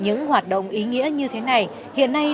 những hoạt động ý nghĩa như thế này hiện nay